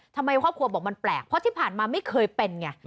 ทำไมครอบครัวบอกมันแปลกเพราะที่ผ่านมาไม่เคยเป็นไง